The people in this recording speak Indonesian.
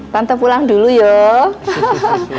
tante pulang dulu yuk